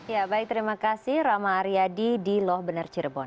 ya baik terima kasih rama aryadi di loh benar cirebon